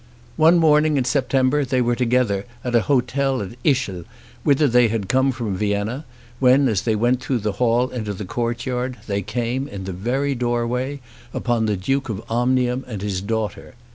One morning in September they were together at an hotel at Ischl, whither they had come from Vienna, when as they went through the hall into the courtyard, they came, in the very doorway, upon the Duke of Omnium and his daughter.